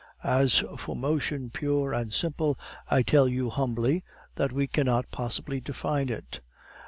As for motion pure and simple, I tell you humbly, that we cannot possibly define it.